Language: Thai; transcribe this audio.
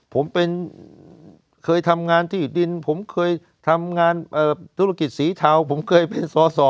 ผมเป็นเคยทำงานที่ดินผมเคยทำงานธุรกิจสีเทาผมเคยเป็นสอสอ